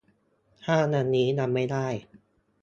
ถ้าวันนี้ยังไม่ได้